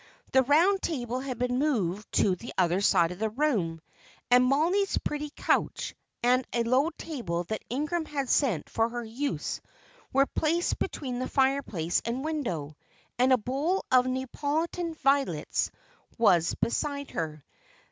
The round table had been moved to the other side of the room, and Mollie's pretty couch, and a low table that Ingram had sent for her use, were placed between the fireplace and window, and a bowl of Neapolitan violets was beside her.